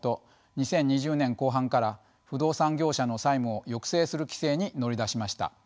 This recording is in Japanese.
２０２０年後半から不動産業者の債務を抑制する規制に乗り出しました。